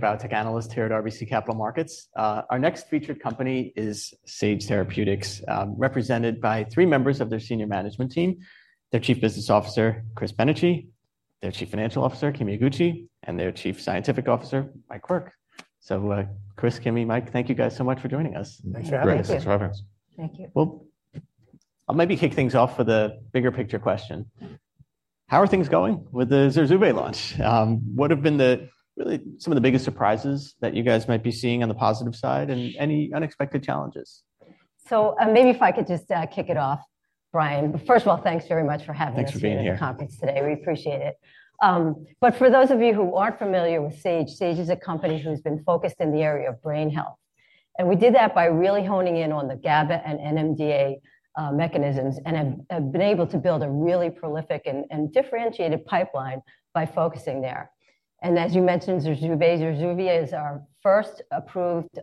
Biotech analyst here at RBC Capital Markets. Our next featured company is Sage Therapeutics, represented by three members of their senior management team: their Chief Business Officer, Chris Benecchi, their Chief Financial Officer, Kimi Iguchi, and their Chief Scientific Officer, Mike Quirk. So, Chris, Kimi, Mike, thank you guys so much for joining us. Thanks for having us. Great. Thanks for having us. Thank you. Well, I'll maybe kick things off with a bigger picture question. How are things going with the Zurzuvae launch? What have been the really some of the biggest surprises that you guys might be seeing on the positive side, and any unexpected challenges? Maybe if I could just kick it off, Brian. First of all, thanks very much for having us. Thanks for being here. At this conference today. We appreciate it. But for those of you who aren't familiar with Sage, Sage is a company who's been focused in the area of brain health. We did that by really honing in on the GABA and NMDA mechanisms, and have been able to build a really prolific and differentiated pipeline by focusing there. As you mentioned, Zurzuvae Zurzuvae is our first approved,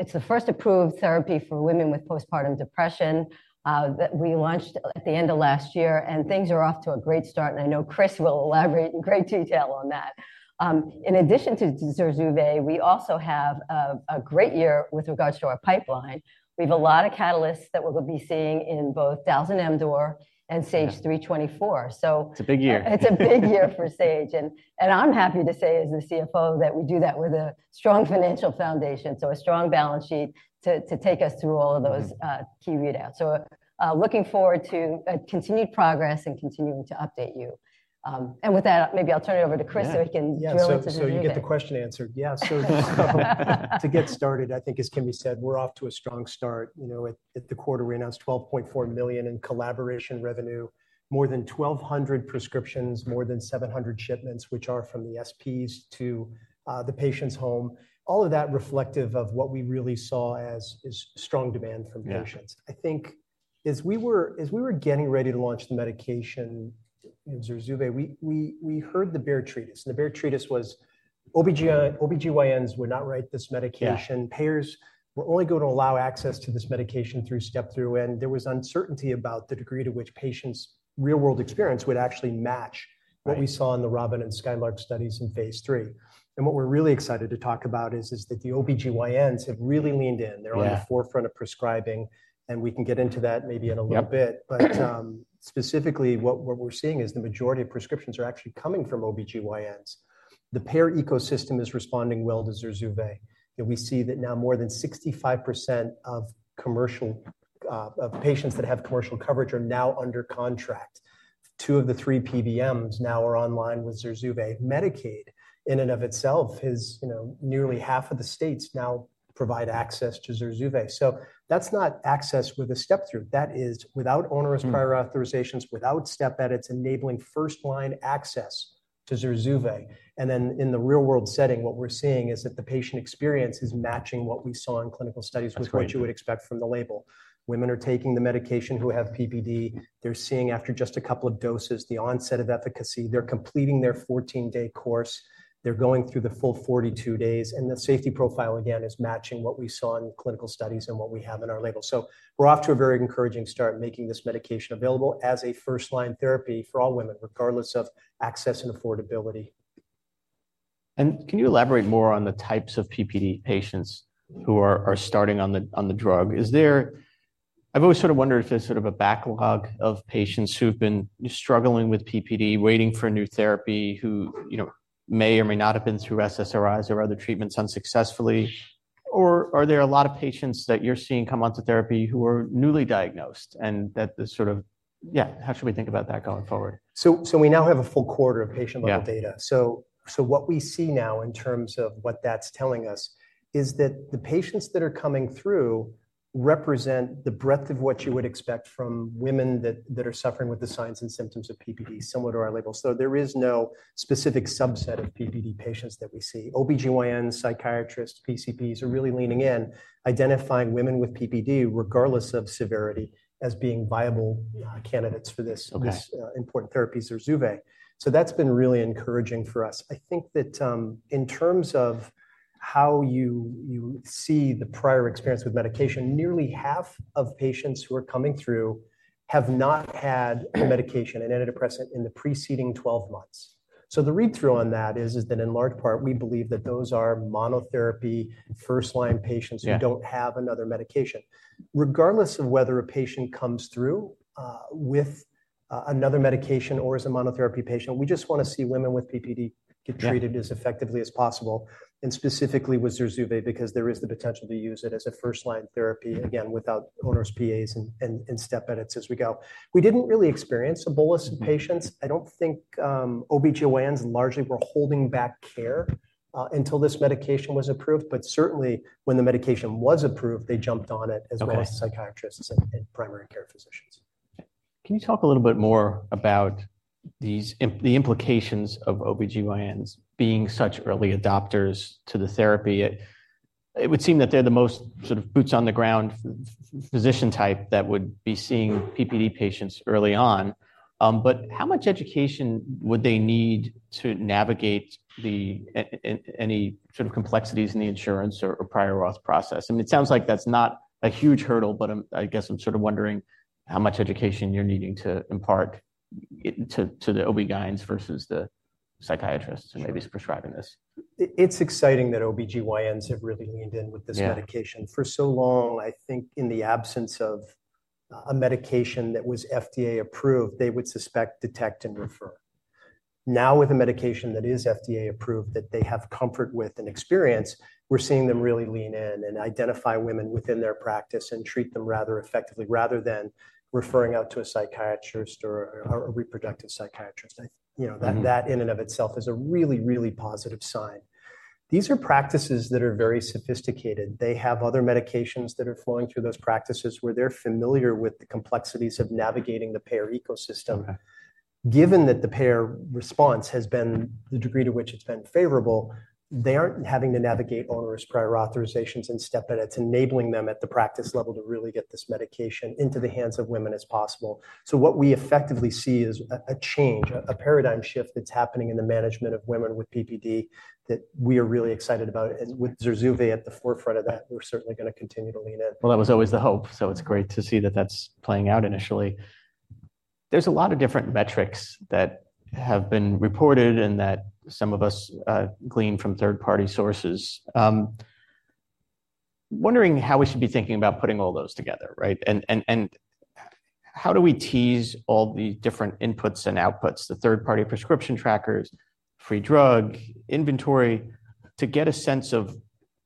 it's the first approved therapy for women with postpartum depression, that we launched at the end of last year, and things are off to a great start, and I know Chris will elaborate in great detail on that. In addition to Zurzuvae, we also have a great year with regards to our pipeline. We have a lot of catalysts that we'll be seeing in both dalzanemdor and SAGE-324, so. It's a big year. It's a big year for Sage, and I'm happy to say as the CFO that we do that with a strong financial foundation, so a strong balance sheet to take us through all of those key readouts. So, looking forward to continued progress and continuing to update you. And with that, maybe I'll turn it over to Chris so he can drill into the Zurzuvae. Yeah, so you get the question answered. Yeah, so just to get started, I think, as Kimi said, we're off to a strong start, you know, at the quarter we announced $12.4 million in collaboration revenue, more than 1,200 prescriptions, more than 700 shipments, which are from the SPs to the patient's home. All of that reflective of what we really saw as strong demand from patients. I think as we were getting ready to launch the medication, you know, Zurzuvae, we heard the bear thesis, and the bear thesis was OB-GYNs were not writing this medication. Payers were only going to allow access to this medication through step-through, and there was uncertainty about the degree to which patients' real-world experience would actually match what we saw in the ROBIN and SKYLARK studies in phase III. What we're really excited to talk about is that the OB-GYNs have really leaned in. They're on the forefront of prescribing, and we can get into that maybe in a little bit. But, specifically, what we're seeing is the majority of prescriptions are actually coming from OB-GYNs. The payer ecosystem is responding well to Zurzuvae. You know, we see that now more than 65% of commercial, of patients that have commercial coverage are now under contract. two of the three PBMs now are online with Zurzuvae. Medicaid, in and of itself, has, you know, nearly half of the states now provide access to Zurzuvae. So that's not access with a step-through. That is without onerous prior authorizations, without step edits, enabling first-line access to Zurzuvae. And then in the real-world setting, what we're seeing is that the patient experience is matching what we saw in clinical studies with what you would expect from the label. Women are taking the medication who have PPD. They're seeing after just a couple of doses the onset of efficacy. They're completing their 14-day course. They're going through the full 42 days, and the safety profile, again, is matching what we saw in clinical studies and what we have in our label. So we're off to a very encouraging start making this medication available as a first-line therapy for all women, regardless of access and affordability. And can you elaborate more on the types of PPD patients who are starting on the drug? I've always sort of wondered if there's sort of a backlog of patients who've been struggling with PPD, waiting for a new therapy, who, you know, may or may not have been through SSRIs or other treatments unsuccessfully. Or are there a lot of patients that you're seeing come onto therapy who are newly diagnosed and that the sort of yeah, how should we think about that going forward? So we now have a full quarter of patient-level data. So what we see now in terms of what that's telling us is that the patients that are coming through represent the breadth of what you would expect from women that are suffering with the signs and symptoms of PPD, similar to our label. So there is no specific subset of PPD patients that we see. OB-GYNs, psychiatrists, PCPs are really leaning in, identifying women with PPD, regardless of severity, as being viable candidates for this important therapy, Zurzuvae. So that's been really encouraging for us. I think that, in terms of how you see the prior experience with medication, nearly half of patients who are coming through have not had the medication, an antidepressant, in the preceding 12 months. So the read-through on that is that, in large part, we believe that those are monotherapy first-line patients who don't have another medication. Regardless of whether a patient comes through with another medication or is a monotherapy patient, we just want to see women with PPD get treated as effectively as possible, and specifically with Zurzuvae because there is the potential to use it as a first-line therapy, again, without onerous PAs and step edits as we go. We didn't really experience a bolus of patients. I don't think OB-GYNs largely were holding back care until this medication was approved. But certainly, when the medication was approved, they jumped on it as well as psychiatrists and primary care physicians. Can you talk a little bit more about the implications of OB-GYNs being such early adopters to the therapy? It would seem that they're the most sort of boots-on-the-ground physician type that would be seeing PPD patients early on. But how much education would they need to navigate the and any sort of complexities in the insurance or prior auth process? I mean, it sounds like that's not a huge hurdle, but I guess I'm sort of wondering how much education you're needing to impart to the OB-GYNs versus the psychiatrists who may be prescribing this. It's exciting that OB-GYNs have really leaned in with this medication. For so long, I think in the absence of a medication that was FDA approved, they would suspect, detect, and refer. Now with a medication that is FDA approved that they have comfort with and experience, we're seeing them really lean in and identify women within their practice and treat them rather effectively rather than referring out to a psychiatrist or a reproductive psychiatrist. You know, that that in and of itself is a really, really positive sign. These are practices that are very sophisticated. They have other medications that are flowing through those practices where they're familiar with the complexities of navigating the payer ecosystem. Given that the payer response has been the degree to which it's been favorable, they aren't having to navigate onerous prior authorizations and step edits, enabling them at the practice level to really get this medication into the hands of women as possible. So what we effectively see is a change, a paradigm shift that's happening in the management of women with PPD that we are really excited about. And with Zurzuvae at the forefront of that, we're certainly going to continue to lean in. Well, that was always the hope. So it's great to see that that's playing out initially. There's a lot of different metrics that have been reported and that some of us glean from third-party sources, wondering how we should be thinking about putting all those together, right? And how do we tease all the different inputs and outputs, the third-party prescription trackers, free drug inventory, to get a sense of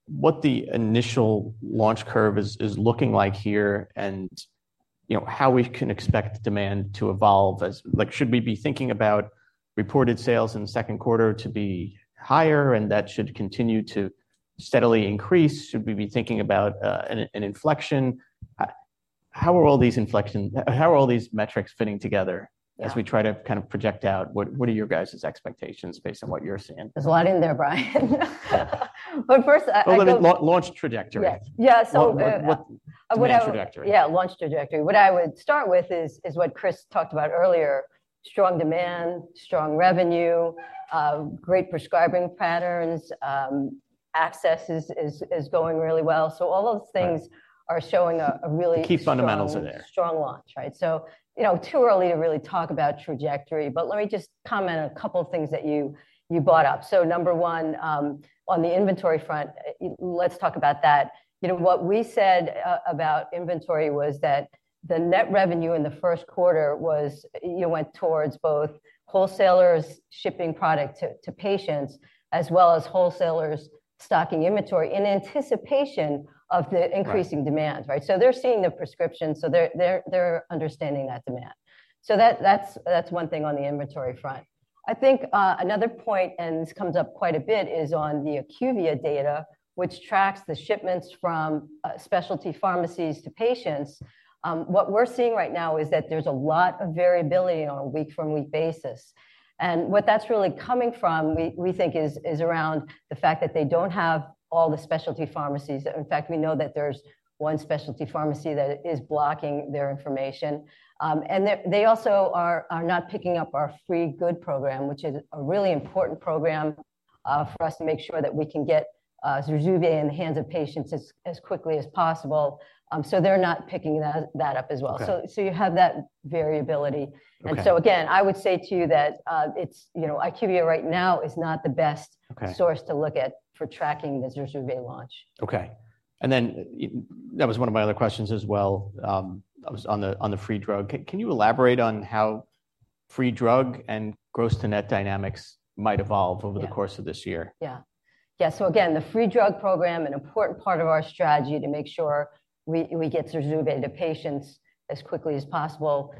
what the initial launch curve is looking like here and, you know, how we can expect demand to evolve as like, should we be thinking about reported sales in the second quarter to be higher and that should continue to steadily increase? Should we be thinking about an inflection? How are all these inflection how are all these metrics fitting together as we try to kind of project out what what are your guys' expectations based on what you're seeing? There's a lot in there, Brian. But first, I think. Well, I mean, launch trajectory. Yeah. Yeah. So what I would. Launch trajectory. Yeah, launch trajectory. What I would start with is what Chris talked about earlier: strong demand, strong revenue, great prescribing patterns. Access is going really well. So all those things are showing a really. Key fundamentals are there. Strong launch, right? So, you know, too early to really talk about trajectory. But let me just comment on a couple of things that you brought up. So number one, on the inventory front, let's talk about that. You know, what we said about inventory was that the net revenue in the first quarter was, you know, went towards both wholesalers shipping product to patients as well as wholesalers stocking inventory in anticipation of the increasing demand, right? So they're seeing the prescription. So they're understanding that demand. So that's one thing on the inventory front. I think, another point, and this comes up quite a bit, is on the IQVIA data, which tracks the shipments from specialty pharmacies to patients. What we're seeing right now is that there's a lot of variability on a week-for-week basis. And what that's really coming from, we think, is around the fact that they don't have all the specialty pharmacies. In fact, we know that there's one specialty pharmacy that is blocking their information. And they also are not picking up our free good program, which is a really important program for us to make sure that we can get Zurzuvae in the hands of patients as quickly as possible. So they're not picking that up as well. So you have that variability. And so again, I would say to you that, it's, you know, IQVIA right now is not the best source to look at for tracking the Zurzuvae launch. Okay. And then that was one of my other questions as well. I was on the free drug. Can you elaborate on how free drug and gross-to-net dynamics might evolve over the course of this year? Yeah. Yeah. So again, the free drug program, an important part of our strategy to make sure we get Zurzuvae to patients as quickly as possible.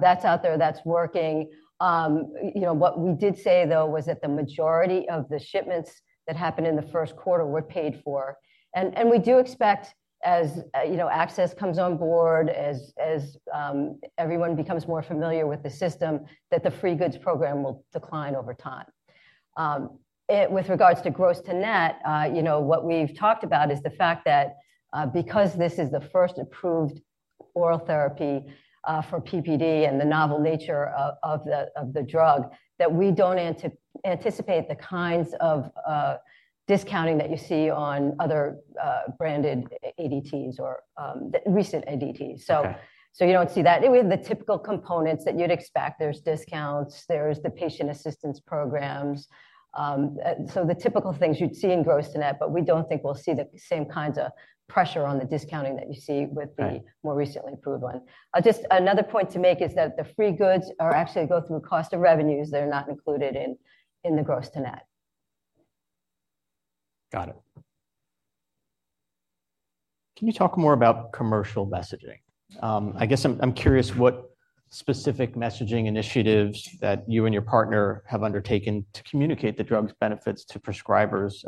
That's out there. That's working. You know, what we did say, though, was that the majority of the shipments that happened in the first quarter were paid for. And we do expect, as you know, access comes on board, as everyone becomes more familiar with the system, that the free goods program will decline over time. With regards to gross-to-net, you know, what we've talked about is the fact that, because this is the first approved oral therapy for PPD and the novel nature of the drug, that we don't anticipate the kinds of discounting that you see on other branded ADTs or recent ADTs. So you don't see that. Anyway, the typical components that you'd expect, there's discounts. There's the patient assistance programs. So the typical things you'd see in gross-to-net. But we don't think we'll see the same kinds of pressure on the discounting that you see with the more recently approved one. Just another point to make is that the free goods are actually go through cost of revenues. They're not included in the gross-to-net. Got it. Can you talk more about commercial messaging? I guess I'm curious what specific messaging initiatives that you and your partner have undertaken to communicate the drug's benefits to prescribers.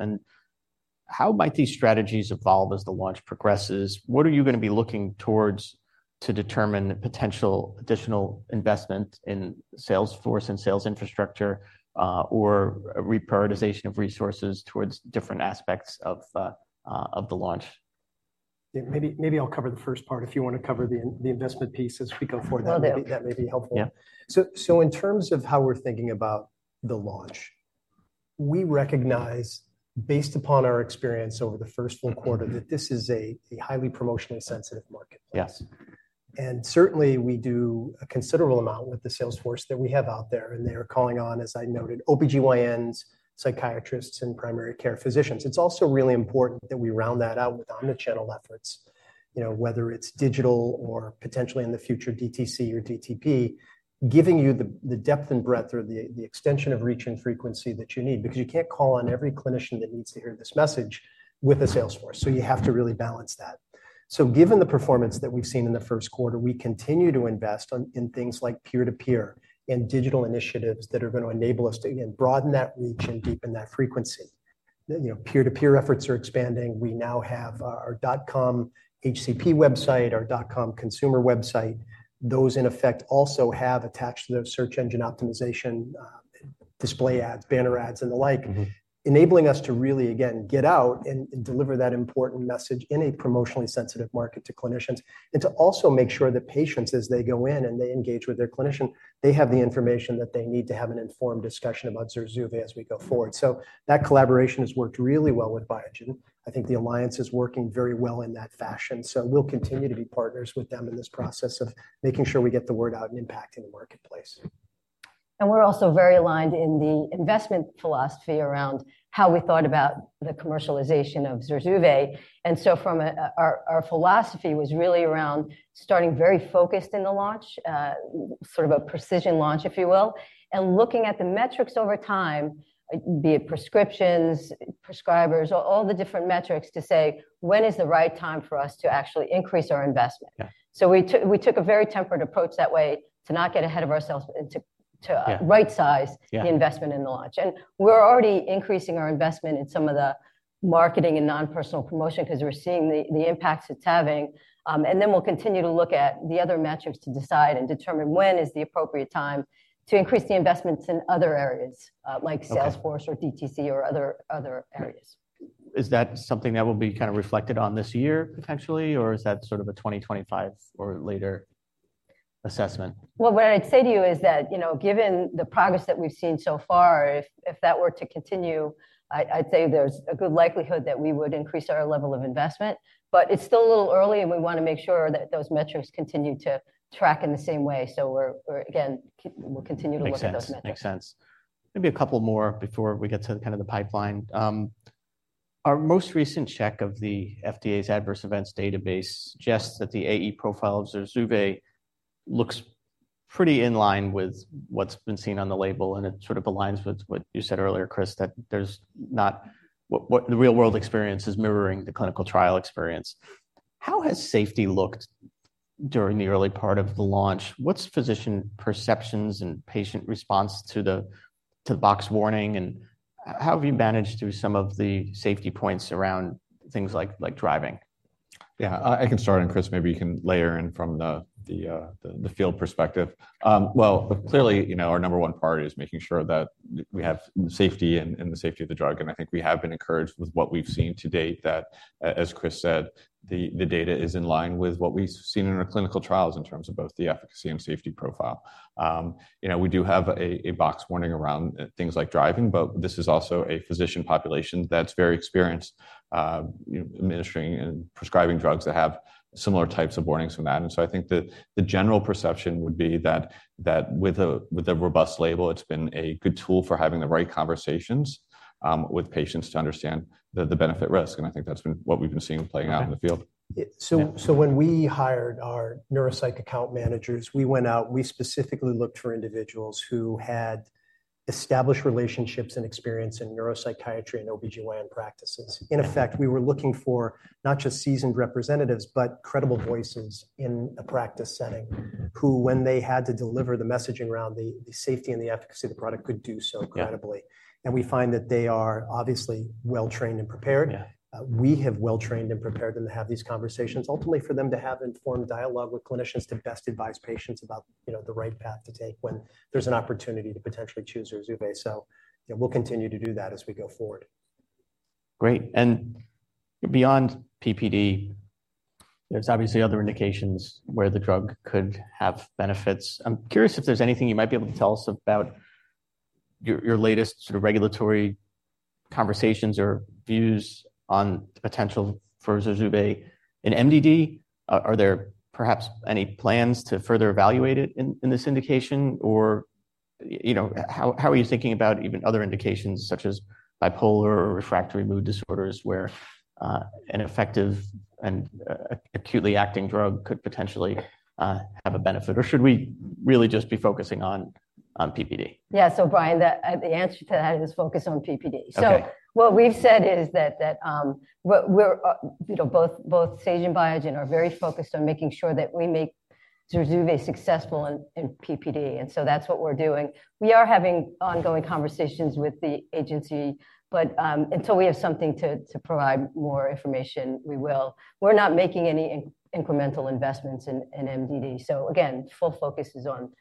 How might these strategies evolve as the launch progresses? What are you going to be looking towards to determine potential additional investment in salesforce and sales infrastructure, or reprioritization of resources towards different aspects of the launch? Yeah. Maybe I'll cover the first part if you want to cover the investment piece as we go forward. That may be helpful. Yeah. So, in terms of how we're thinking about the launch, we recognize, based upon our experience over the first full quarter, that this is a highly promotionally sensitive marketplace. And certainly, we do a considerable amount with the sales force that we have out there. And they are calling on, as I noted, OB-GYNs, psychiatrists, and primary care physicians. It's also really important that we round that out with omnichannel efforts, you know, whether it's digital or potentially in the future DTC or DTP, giving you the depth and breadth or the extension of reach and frequency that you need because you can't call on every clinician that needs to hear this message with a sales force. So you have to really balance that. So given the performance that we've seen in the first quarter, we continue to invest in things like peer-to-peer and digital initiatives that are going to enable us to, again, broaden that reach and deepen that frequency. You know, peer-to-peer efforts are expanding. We now have our dot-com HCP website, our dot-com consumer website. Those, in effect, also have attached to those search engine optimization, display ads, banner ads, and the like, enabling us to really, again, get out and deliver that important message in a promotionally sensitive market to clinicians and to also make sure that patients, as they go in and they engage with their clinician, they have the information that they need to have an informed discussion about Zurzuvae as we go forward. So that collaboration has worked really well with Biogen. I think the alliance is working very well in that fashion. We'll continue to be partners with them in this process of making sure we get the word out and impacting the marketplace. And we're also very aligned in the investment philosophy around how we thought about the commercialization of Zurzuvae. And so from our philosophy was really around starting very focused in the launch, sort of a precision launch, if you will, and looking at the metrics over time, be it prescriptions, prescribers, all the different metrics to say, when is the right time for us to actually increase our investment? So we took a very tempered approach that way to not get ahead of ourselves and to right-size the investment in the launch. And we're already increasing our investment in some of the marketing and nonpersonal promotion because we're seeing the impacts it's having. And then we'll continue to look at the other metrics to decide and determine when is the appropriate time to increase the investments in other areas, like salesforce or DTC or other other areas. Is that something that will be kind of reflected on this year, potentially? Or is that sort of a 2025 or later assessment? Well, what I'd say to you is that, you know, given the progress that we've seen so far, if that were to continue, I'd say there's a good likelihood that we would increase our level of investment. But it's still a little early. And we want to make sure that those metrics continue to track in the same way. So we're again, we'll continue to look at those metrics. Makes sense. Maybe a couple more before we get to kind of the pipeline. Our most recent check of the FDA's adverse events database suggests that the AE profile of Zurzuvae looks pretty in line with what's been seen on the label. And it sort of aligns with what you said earlier, Chris, that there's not what the real-world experience is mirroring the clinical trial experience. How has safety looked during the early part of the launch? What's physician perceptions and patient response to the box warning? And how have you managed through some of the safety points around things like driving? Yeah. I can start. And Chris, maybe you can layer in from the field perspective. Well, clearly, you know, our number one priority is making sure that we have safety and the safety of the drug. And I think we have been encouraged with what we've seen to date that, as Chris said, the data is in line with what we've seen in our clinical trials in terms of both the efficacy and safety profile. You know, we do have a box warning around things like driving. But this is also a physician population that's very experienced, administering and prescribing drugs that have similar types of warnings from that. And so I think that the general perception would be that with a robust label, it's been a good tool for having the right conversations with patients to understand the benefit-risk. I think that's been what we've been seeing playing out in the field. So, when we hired our neuropsych account managers, we went out. We specifically looked for individuals who had established relationships and experience in neuropsychiatry and OB-GYN practices. In effect, we were looking for not just seasoned representatives but credible voices in a practice setting who, when they had to deliver the messaging around the safety and the efficacy of the product, could do so credibly. And we find that they are obviously well-trained and prepared. We have well-trained and prepared them to have these conversations, ultimately for them to have informed dialogue with clinicians to best advise patients about, you know, the right path to take when there's an opportunity to potentially choose Zurzuvae. So, you know, we'll continue to do that as we go forward. Great. And beyond PPD, there's obviously other indications where the drug could have benefits. I'm curious if there's anything you might be able to tell us about your latest sort of regulatory conversations or views on the potential for Zurzuvae in MDD. Are there perhaps any plans to further evaluate it in this indication? Or, you know, how are you thinking about even other indications such as bipolar or refractory mood disorders where, an effective and acutely acting drug could potentially, have a benefit? Or should we really just be focusing on PPD? Yeah. So, Brian, the answer to that is focus on PPD. So what we've said is that, we're, you know, both Sage and Biogen are very focused on making sure that we make Zurzuvae successful in PPD. And so that's what we're doing. We are having ongoing conversations with the agency. But, until we have something to provide more information, we will. We're not making any incremental investments in MDD. So again, full focus is on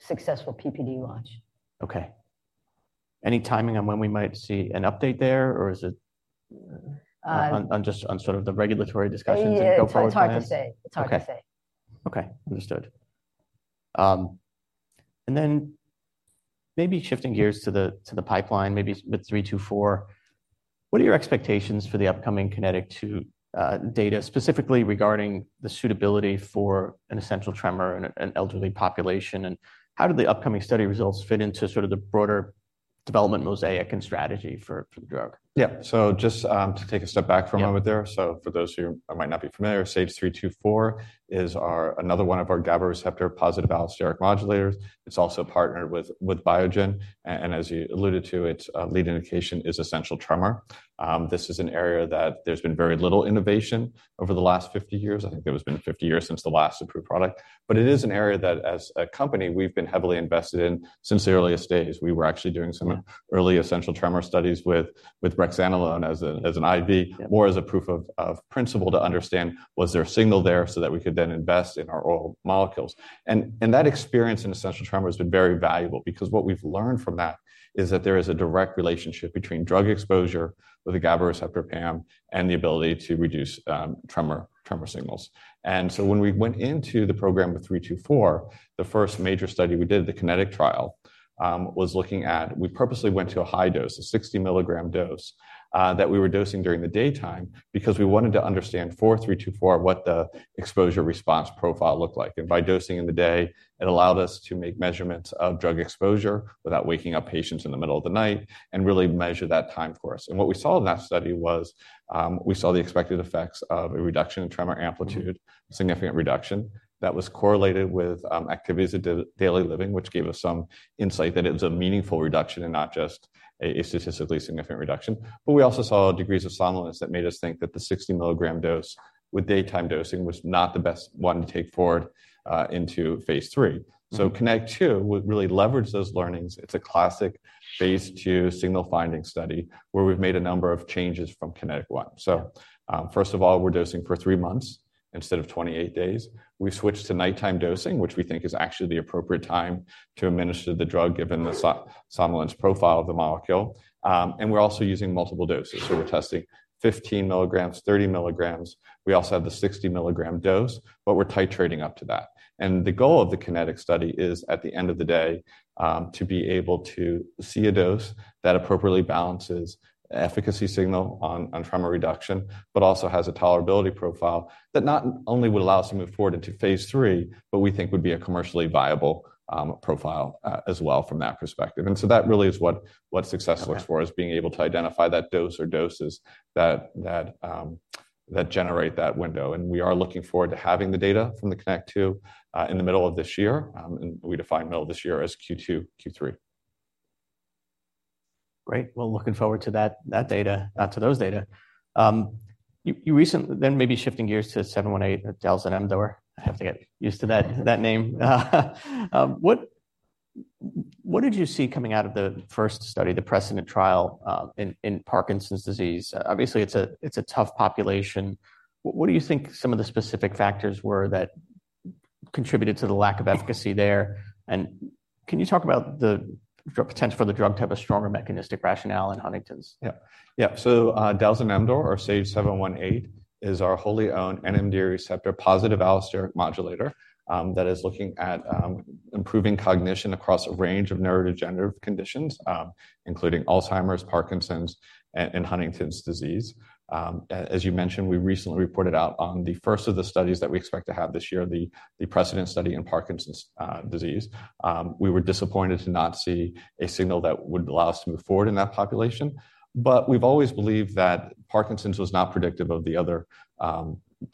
successful PPD launch. Okay. Any timing on when we might see an update there? Or is it on just on sort of the regulatory discussions and go forward? It's hard to say. It's hard to say. Okay. Understood. And then maybe shifting gears to the pipeline, maybe with SAGE-324 what are your expectations for the upcoming KINETIC 2 data, specifically regarding the suitability for essential tremor in an elderly population? And how do the upcoming study results fit into sort of the broader development mosaic and strategy for the drug? Yeah. So just to take a step back for a moment there. So for those who might not be familiar, SAGE-324 is our another one of our GABA receptor positive allosteric modulators. It's also partnered with Biogen. And as you alluded to, its lead indication is essential tremor. This is an area that there's been very little innovation over the last 50 years. I think there has been 50 years since the last approved product. But it is an area that, as a company, we've been heavily invested in since the earliest days. We were actually doing some early essential tremor studies with brexanolone as an IV, more as a proof of principle to understand, was there a signal there so that we could then invest in our oral molecules? And that experience in essential tremor has been very valuable because what we've learned from that is that there is a direct relationship between drug exposure with the GABA receptor, PAM, and the ability to reduce tremor signals. And so when we went into the program with SAGE-324 the first major study we did, the KINETIC trial, was looking at we purposely went to a high dose, a 60 mg dose, that we were dosing during the daytime because we wanted to understand for SAGE-324 what the exposure response profile looked like. And by dosing in the day, it allowed us to make measurements of drug exposure without waking up patients in the middle of the night and really measure that time course. What we saw in that study was, we saw the expected effects of a reduction in tremor amplitude, significant reduction that was correlated with activities of daily living, which gave us some insight that it was a meaningful reduction and not just a statistically significant reduction. But we also saw degrees of somnolence that made us think that the 60 milligram dose with daytime dosing was not the best one to take forward into phase III. So KINETIC 2 really leveraged those learnings. It's a classic phase II signal finding study where we've made a number of changes from KINETIC 1. So, first of all, we're dosing for three months instead of 28 days. We switched to nighttime dosing, which we think is actually the appropriate time to administer the drug given the somnolence profile of the molecule. And we're also using multiple doses. So we're testing 15 milligrams, 30 milligrams. We also have the 60 milligram dose. But we're titrating up to that. And the goal of the KINETIC Study is, at the end of the day, to be able to see a dose that appropriately balances efficacy signal on tremor reduction but also has a tolerability profile that not only would allow us to move forward into phase III, but we think would be a commercially viable profile as well from that perspective. And so that really is what success looks for, is being able to identify that dose or doses that that generate that window. And we are looking forward to having the data from the KINETIC 2 in the middle of this year. And we define middle of this year as Q2, Q3. Great. Well, looking forward to that data, to those data. You recently then maybe shifting gears to 718, dalzanemdor. I have to get used to that name. What did you see coming out of the first study, the PRECEDENT trial, in Parkinson's disease? Obviously, it's a tough population. What do you think some of the specific factors were that contributed to the lack of efficacy there? And can you talk about the potential for the drug to have a stronger mechanistic rationale in Huntington's? Yeah. Yeah. So, dalzanemdor, or SAGE-718, is our wholly owned NMDA receptor positive allosteric modulator that is looking at improving cognition across a range of neurodegenerative conditions, including Alzheimer's, Parkinson's, and Huntington's disease. As you mentioned, we recently reported out on the first of the studies that we expect to have this year, the PRECEDENT Study in Parkinson's disease. We were disappointed to not see a signal that would allow us to move forward in that population. But we've always believed that Parkinson's was not predictive of the other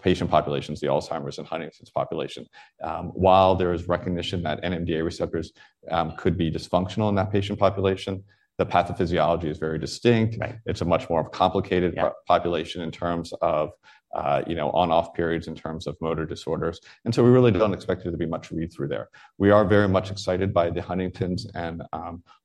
patient populations, the Alzheimer's and Huntington's population. While there is recognition that NMDA receptors could be dysfunctional in that patient population, the pathophysiology is very distinct. It's a much more complicated population in terms of, you know, on-off periods in terms of motor disorders. And so we really don't expect there to be much read-through there. We are very much excited by the Huntington's and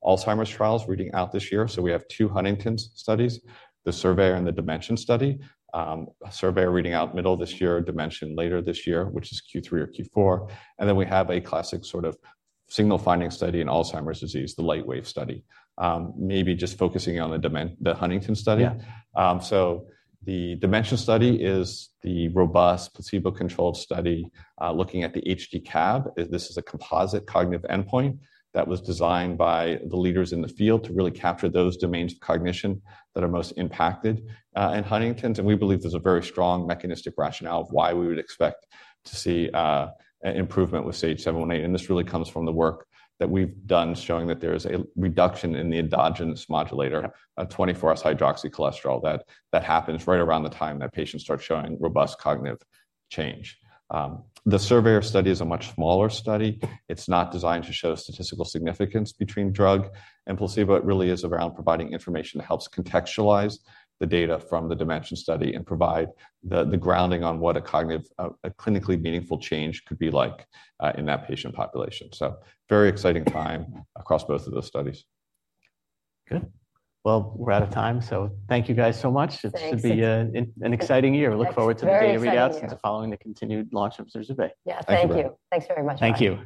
Alzheimer's trials reading out this year. So we have two Huntington's studies, the SURVEYOR and the DIMENSION study, SURVEYOR reading out middle of this year, DIMENSION later this year, which is Q3 or Q4. And then we have a classic sort of signal finding study in Alzheimer's disease, the LIGHTWAVE study, maybe just focusing on the Huntington study. So the DIMENSION study is the robust placebo-controlled study, looking at the HD-CAB. This is a composite cognitive endpoint that was designed by the leaders in the field to really capture those domains of cognition that are most impacted in Huntington's. And we believe there's a very strong mechanistic rationale of why we would expect to see an improvement with SAGE-718. And this really comes from the work that we've done showing that there is a reduction in the endogenous modulator, 24-hydroxycholesterol, that happens right around the time that patients start showing robust cognitive change. The SURVEYOR Study is a much smaller study. It's not designed to show statistical significance between drug and placebo. It really is around providing information that helps contextualize the data from the DIMENSION Study and provide the grounding on what a cognitive, clinically meaningful change could be like in that patient population. So very exciting time across both of those studies. Good. Well, we're out of time. So thank you guys so much. It should be an exciting year. We look forward to the data readouts and to following the continued launch of Zurzuvae. Yeah. Thank you. Thanks very much. Thank you.